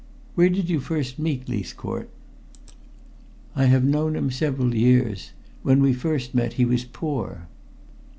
"Where did you first meet Leithcourt?" "I have known him several years. When we first met he was poor."